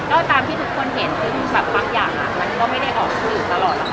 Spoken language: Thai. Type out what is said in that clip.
ก็ตามที่ทุกคนเห็นซึ่งแบบบางอย่างอ่ะมันก็ไม่ได้ออกคืนอยู่ตลอดแล้วค่ะ